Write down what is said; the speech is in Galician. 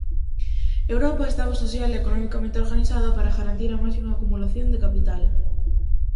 Europa estaba social e economicamente organizada para garantir a máxima acumulación de capital.